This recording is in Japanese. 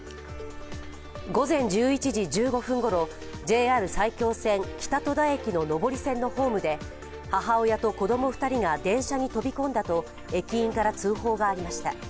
午前１１時１５分ごろ、ＪＲ埼京線北戸田駅の上り線のホームで母親と子供２人が電車に飛び込んだと駅員から通報がありました。